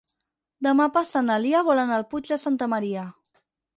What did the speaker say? Demà passat na Lia vol anar al Puig de Santa Maria.